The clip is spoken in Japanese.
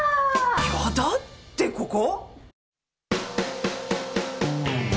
やだってここ？